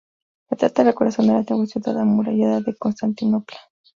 Se trata del corazón de la antigua ciudad amurallada de Constantinopla.